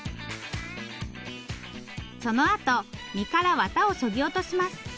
そのあと身からわたをそぎ落とします。